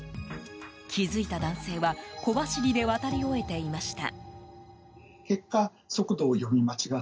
気づいた男性は小走りで渡り終えていました。